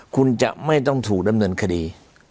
คุณจะไม่ต้องถูกดำเนินคดี